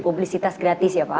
publisitas gratis ya pak